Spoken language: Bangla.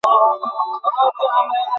না, রইল না।